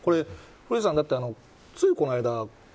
古市さん、だって、ついこの間。